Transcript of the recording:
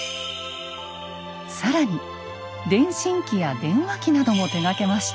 更に電信機や電話機なども手がけました。